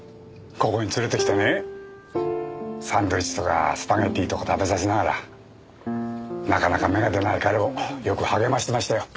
ここに連れて来てねサンドイッチとかスパゲティとか食べさせながらなかなか芽が出ない彼をよく励ましてましたよ。